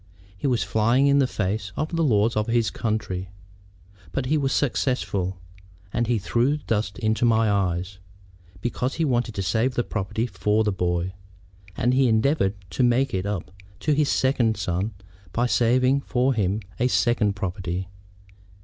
He was flying in the face of the laws of his country. But he was successful; and he threw dust into my eyes, because he wanted to save the property for the boy. And he endeavored to make it up to his second son by saving for him a second property.